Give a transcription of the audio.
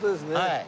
はい。